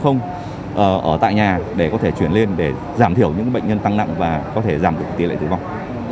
không ở tại nhà để có thể chuyển lên để giảm thiểu những bệnh nhân tăng nặng và có thể giảm được tỷ lệ tử vong